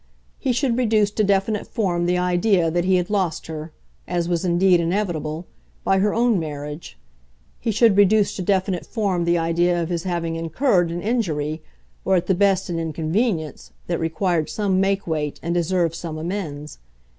He should reduce to definite form the idea that he had lost her as was indeed inevitable by her own marriage; he should reduce to definite form the idea of his having incurred an injury, or at the best an inconvenience, that required some makeweight and deserved some amends.